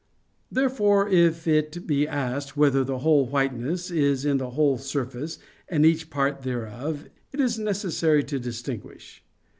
Therefore if it be asked whether the whole whiteness is in the whole surface and in each part thereof, it is necessary to distinguish.